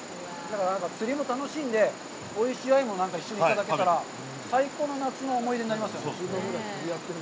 釣りも楽しんで、おいしいアユも一緒にいただけたら、最高の夏の思い出になりますよね。